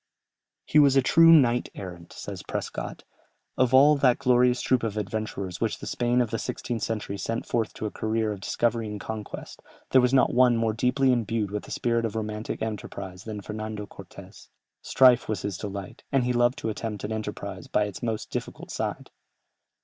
"He was a true knight errant," says Prescott; "of all that glorious troop of adventurers which the Spain of the sixteenth century sent forth to a career of discovery and conquest, there was not one more deeply imbued with the spirit of romantic enterprise than Fernando Cortès. Strife was his delight, and he loved to attempt an enterprise by its most difficult side."...